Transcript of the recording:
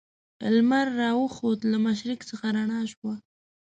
لمر را وخوت له مشرق څخه رڼا شوه.